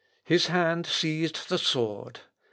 His hand seized the sword.